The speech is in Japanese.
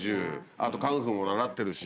あとカンフーも習ってるし。